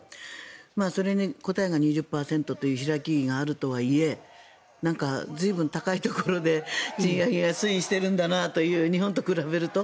それの答えが２０％という開きがあるとはいえ随分高いところで、賃上げが推移しているんだなという日本と比べると。